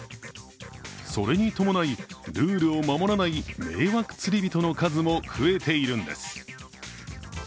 それに伴い、ルールを守らない迷惑釣り人の数も増えているんです。